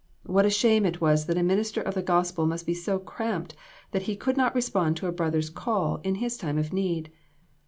What a shame it was that a minister of the gospel must be so cramped that he could not respond to a brother's call in his time of need